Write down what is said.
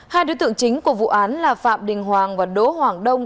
hai đối tượng chính của vụ án là phạm đình hoàng và đỗ hoàng đông